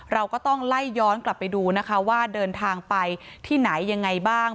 เราก็ต้องไล่ย้อนกลับไปดูนะคะว่าเดินทางไปที่ไหนยังไงบ้าง